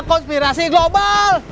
pada konspirasi global